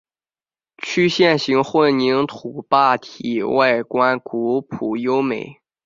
曲线形混凝土坝体外观古朴优美。